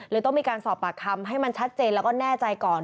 ต้องมีการสอบปากคำให้มันชัดเจนแล้วก็แน่ใจก่อน